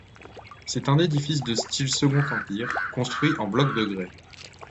C'est un édifice de style Second Empire, construit en blocs de grès.